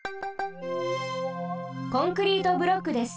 コンクリートブロックです。